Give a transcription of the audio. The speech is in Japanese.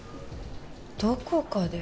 どこかで。